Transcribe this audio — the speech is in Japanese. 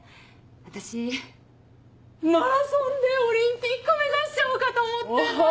私マラソンでオリンピック目指しちゃおうかと思ってんのよ。